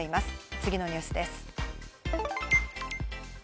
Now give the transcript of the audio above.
次のニュースです。